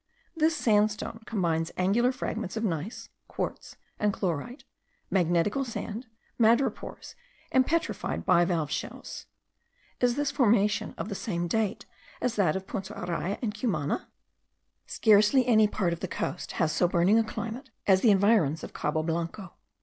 This sandstone combines angular fragments of gneiss, quartz, and chlorite, magnetical sand, madrepores, and petrified bivalve shells. Is this formation of the same date as that of Punta Araya and Cumana? Scarcely any part of the coast has so burning a climate as the environs of Cabo Blanco.